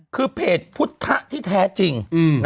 คือเพจพุทธที่แท้จริง